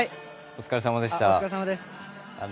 お疲れさまでした。